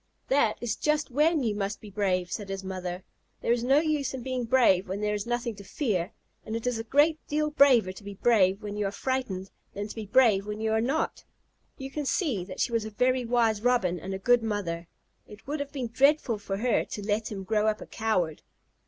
"That is just when you must be brave," said his mother. "There is no use in being brave when there is nothing to fear, and it is a great deal braver to be brave when you are frightened than to be brave when you are not." You can see that she was a very wise Robin and a good mother. It would have been dreadful for her to let him grow up a coward.